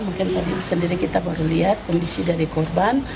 mungkin tadi sendiri kita baru lihat kondisi dari korban